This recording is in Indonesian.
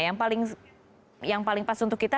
yang paling pas untuk kita